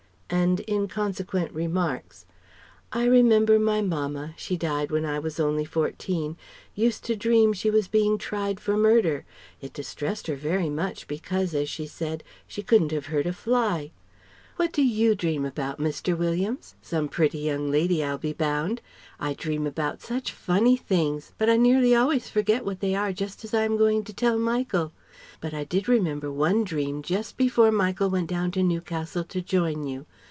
And inconsequent remarks: "I remember my mamma she died when I was only fourteen used to dream she was being tried for murder. It distressed her very much because, as she said, she couldn't have hurt a fly. What do you dream about, Mr. Williams? Some pretty young lady, I'll be bound. I dream about such funny things, but I nearly always forget what they were just as I am going to tell Michael. But I did remember one dream just before Michael went down to Newcastle to join you